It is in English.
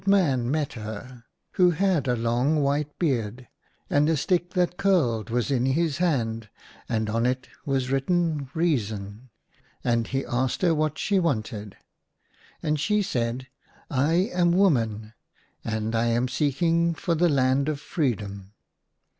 man met her, who had a long white beard ; and a stick that curled was in his hand, and on it was written Reason. And he asked her what she wanted ; and she said " I am woman ; and I am seekinof for the land of Freedom."